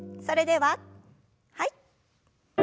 それでははい。